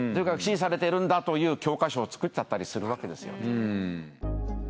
支持されてるんだという教科書を作っちゃったりするわけですよ。